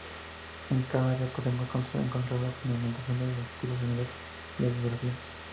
En cada área podemos encontrar: la fundamentación, los objetivos generales y la bibliografía.